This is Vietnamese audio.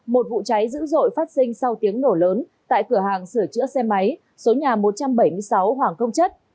một vụ cháy dữ dội phát sinh sau tiếng nổ lớn tại cửa hàng sửa chữa xe máy số nhà một trăm bảy mươi sáu hoàng công chất